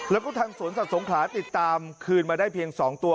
แล้วก็ทางสวนสัตว์สงขลาติดตามคืนมาได้เพียง๒ตัว